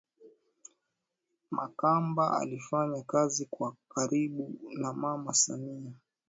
Makamba alifanya kazi kwa karibu na mama Samia